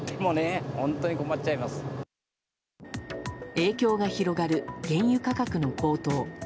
影響が広がる原油価格の高騰。